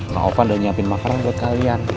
nah ovan udah nyiapin makanan buat kalian